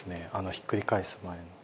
ひっくり返す前の。